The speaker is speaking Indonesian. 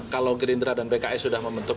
kalau gerindra dan pks sudah membentuk